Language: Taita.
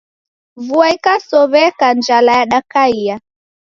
Vua ikasow'eka, njala yadakaia